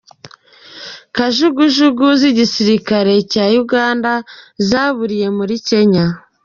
Kajugujugu z’igisirikare cya Uganda zaburiye muri Kenya